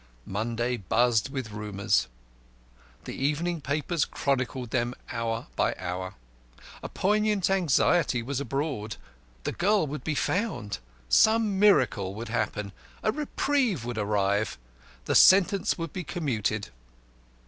Monday buzzed with rumours; the evening papers chronicled them hour by hour. A poignant anxiety was abroad. The girl would be found. Some miracle would happen. A reprieve would arrive. The sentence would be commuted.